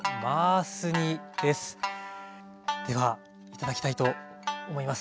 では頂きたいと思います。